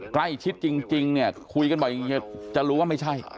ใกล้ชิดจริงเนี่ยคุยกันบ่อยจะรู้ว่าไม่ใช่